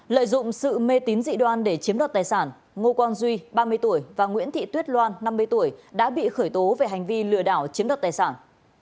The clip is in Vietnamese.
lợi dụng sự mê tín dị đoan để chiếm đoạt tài sản ngô quang duy ba mươi tuổi và nguyễn thị tuyết loan năm mươi tuổi đã bị khởi tố về hành vi lừa đảo chiếm đoạt tài sản